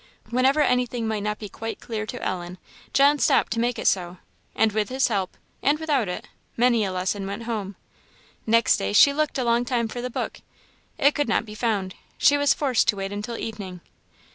Whenever anything might not be quite clear to Ellen, John stopped to make it so; and with his help, and without it, many a lesson went home. Next day she looked a long time for the book; it could not be found; she was forced to wait until evening.